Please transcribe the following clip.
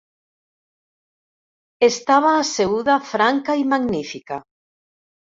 Estava asseguda franca i magnífica.